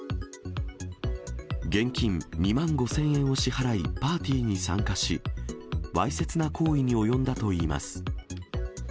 現金２万５０００円を支払い、パーティーに参加し、わいせつな行為に及んだといいます。